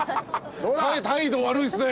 態度悪いっすね。